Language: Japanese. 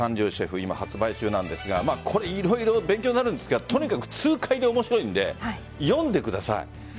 今、発売中なんですがいろいろ勉強になるんですがとにかく痛快で面白いので読んでください。